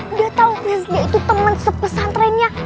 udah tau rizky itu temen sepesantrennya